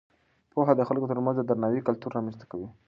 پوهه د خلکو ترمنځ د درناوي کلتور رامینځته کوي.